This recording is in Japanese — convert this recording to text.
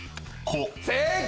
正解！